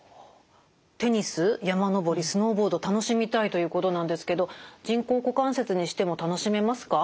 テニス山登りスノーボード楽しみたいということなんですけど人工股関節にしても楽しめますか？